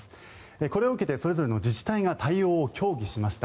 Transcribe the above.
これを受けてそれぞれの自治体が対応を協議しました。